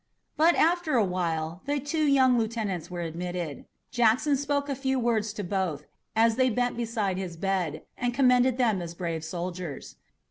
But after a while the two young lieutenants were admitted. Jackson spoke a few words to both, as they bent beside his bed, and commended them as brave soldiers.